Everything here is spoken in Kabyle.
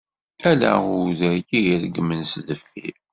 Ala uday i yeregmen s deffir.